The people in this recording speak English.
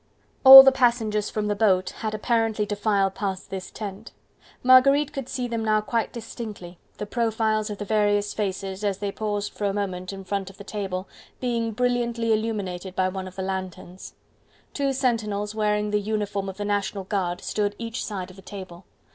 All the passengers from the boat had apparently to file past this tent. Marguerite could see them now quite distinctly, the profiles of the various faces, as they paused for a moment in front of the table, being brilliantly illuminated by one of the lanterns. Two sentinels wearing the uniform of the National Guard stood each side of the table.